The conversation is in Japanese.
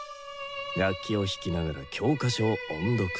楽器を弾きながら教科書を音読する。